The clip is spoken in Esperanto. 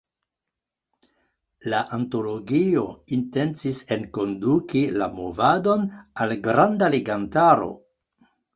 La antologio intencis enkonduki la movadon al granda legantaro.